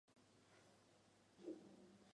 沙尔多讷的总面积为平方公里。